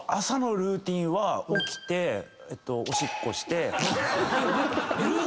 朝のルーティンは起きておしっこして。